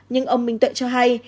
nhưng ông minh tuệ cho hay